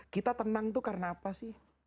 kita tenang itu karena apa sih